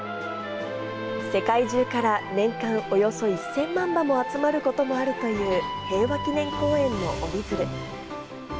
世界中から年間およそ１０００万羽も集まることもあるという平和記念公園の折り鶴。